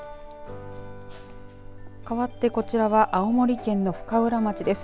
かわって、こちらは青森県の深浦町です。